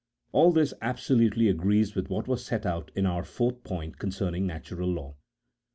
All this absolutely agrees with what was set out in our fourth point concerning natural law.